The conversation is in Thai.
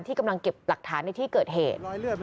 กำลังเก็บหลักฐานในที่เกิดเหตุ